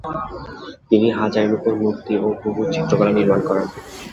তিনি হাজারের ওপর মূর্তি ও বহু চিত্রকলা নির্মাণ করান।